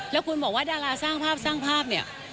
แล้วคุณบอกว่าดาราสร้างภาพสร้างภาพเนี่ย